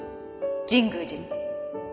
神宮寺に